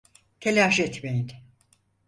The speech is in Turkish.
Telaş etmeyin…